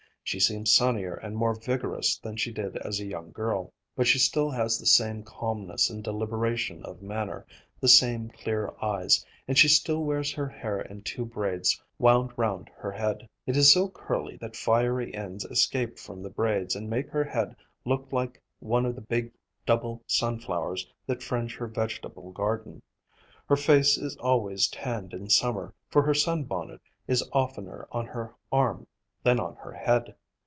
She seems sunnier and more vigorous than she did as a young girl. But she still has the same calmness and deliberation of manner, the same clear eyes, and she still wears her hair in two braids wound round her head. It is so curly that fiery ends escape from the braids and make her head look like one of the big double sunflowers that fringe her vegetable garden. Her face is always tanned in summer, for her sunbonnet is oftener on her arm than on her head.